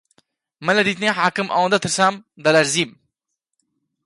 من لە دیتنی حاکم ئەوەندە ترسام دەلەرزیم